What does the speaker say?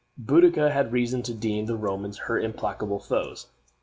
Boadicea had reason to deem the Romans her implacable foes.